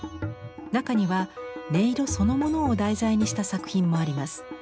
中には音色そのものを題材にした作品もあります。